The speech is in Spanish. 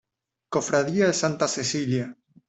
Cofradía de Santa Cecilia.